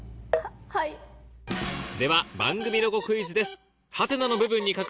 では番組ロゴクイズです